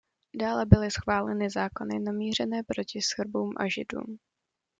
Dále byly schváleny zákony namířené proti Srbům a Židům.